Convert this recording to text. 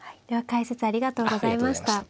では解説ありがとうございました。